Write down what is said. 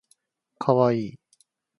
かわいい